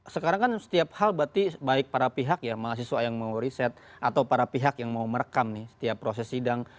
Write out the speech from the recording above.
sekarang kan setiap hal berarti baik para pihak ya mahasiswa yang mau riset atau para pihak yang mau merekam nih setiap proses sidang